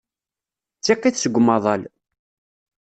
D tiqit seg umaḍal.